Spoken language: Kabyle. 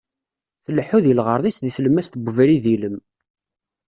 Tleḥḥu di lɣerḍ-is deg tlemmast n ubrid ilem.